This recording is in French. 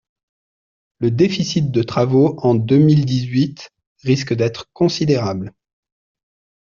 Le déficit de travaux en deux mille dix-huit risque d’être considérable.